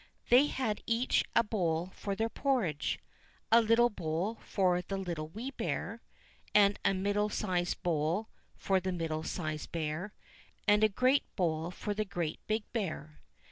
They had each a bowl for their porridge ; a little bowl for the Little Wee Bear ; and a middle sized bowl for the Middle sized Bear ; and a great bowl for the Great Big Bear.